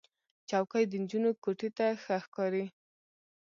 چوکۍ د نجونو کوټې ته ښه ښکاري.